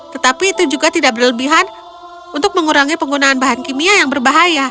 tetapi itu juga tidak berlebihan untuk mengurangi penggunaan bahan kimia yang berbahaya